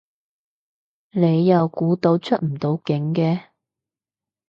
你又估到出唔到境嘅